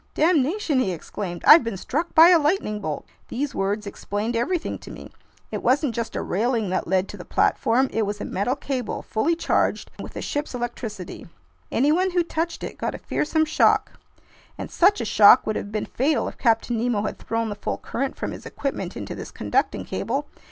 "Damnation!" he exclaimed. "I've been struck by a lightning bolt!" These words explained everything to me. It wasn't just a railing that led to the platform, it was a metal cable fully charged with the ship's electricity. Anyone who touched it got a fearsome shock—and such a shock would have been fatal if Captain Nemo had thrown the full current from his equipment into this conducting cable!